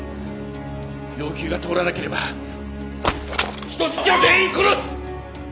要求が通らなければ人質を全員殺す！